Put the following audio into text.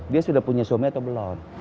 dia sudah punya suami atau belum